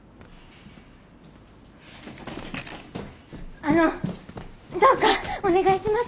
あのどうかお願いします。